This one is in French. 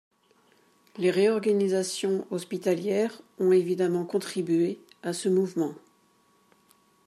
Les réorganisations hospitalières ont évidemment contribué à ce mouvement.